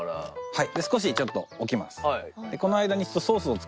はい。